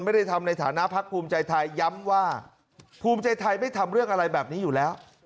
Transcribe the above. ไม่ได้ทำในฐานะพักภูมิใจไทยย้ำว่าภูมิใจไทยไม่ทำเรื่องอะไรแบบนี้อยู่แล้ว